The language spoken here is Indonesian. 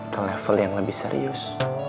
ke level yang lebih serius